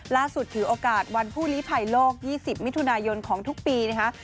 ล่าสุดถือโอกาสวันภูรีภัยโลก๒๐มิถุนายนของทุกปีนะคะ